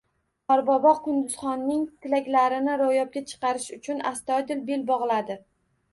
Qorbobo Qunduzxonning tilaklarini ro`yobga chiqarish uchun astoydil bel bog`ladi